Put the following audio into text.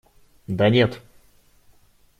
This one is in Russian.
Да нет!